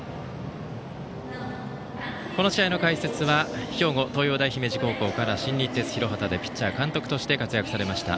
この試合の解説は兵庫・東洋大姫路高校から新日鉄広畑でピッチャー、監督として活躍されました